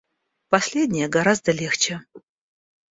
Последнее гораздо легче.